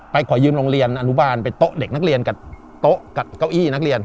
ขอยืมโรงเรียนอนุบาลไปโต๊ะเด็กนักเรียนกับโต๊ะกับเก้าอี้นักเรียน